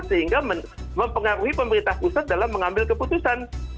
sehingga mempengaruhi pemerintah pusat dalam mengambil keputusan